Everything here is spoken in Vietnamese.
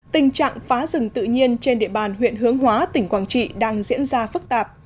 tình trạng phá rừng tự nhiên trên địa bàn huyện hướng hóa tỉnh quảng trị đang diễn ra phức tạp